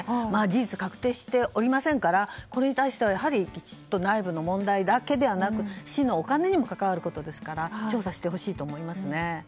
事実確定しておりませんからこれに対しては内部の問題だけではなく市のお金にも関わることですから調査してほしいと思います。